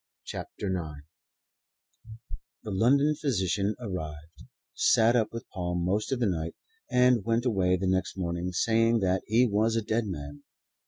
CHAPTER IX THE London physician arrived, sat up with Paul most of the night, and went away the next morning saying that he was a dead man.